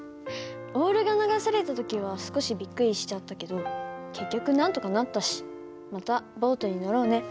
オールが流された時は少しびっくりしちゃったけど結局なんとかなったしまたボートに乗ろうね。